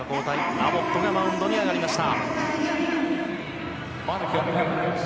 アボットがマウンドに上がりました。